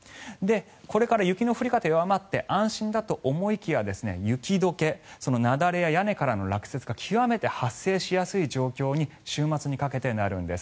これから雪の降り方弱まって安心だと思いきや雪解け雪崩や屋根からの落雪が極めて発生しやすい状況に週末にかけてなるんです。